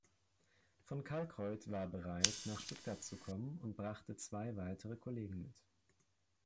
Von Kalckreuth war bereit, nach Stuttgart zu kommen, und brachte zwei weitere Kollegen mit.